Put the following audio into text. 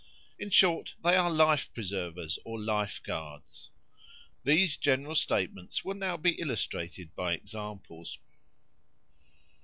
In short, they are life preservers or life guards. These general statements will now be illustrated by examples.